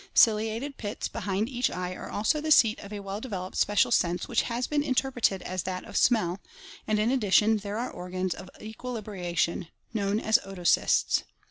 Ciliated pits behind each eye are also the seat of a well developed special sense which has been inter preted as that of smell, and in addition there are organs of equilibra tion known as otocysts.